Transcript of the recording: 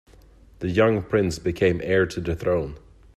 The young prince became heir to the throne.